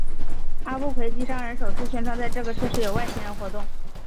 阿布奎基商人首次宣称在这个设施有外星人活动。